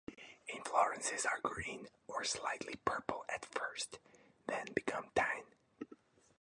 Inflorescences are green or slightly purple at first, then become tan.